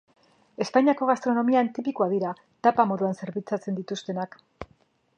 Espainiako gastronomian tipikoak dira, tapa moduan zerbitzatzen dituztenak.